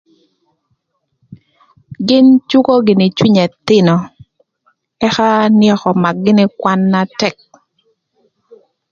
Gïn cükö gïnï cwiny ëthïnö ëka nï ëk ömak gïnï kwan na tëk.